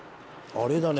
「あれだね」。